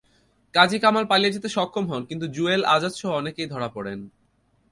কাজী কামাল পালিয়ে যেতে সক্ষম হন, কিন্তু জুয়েল, আজাদসহ অনেকেই ধরা পড়েন।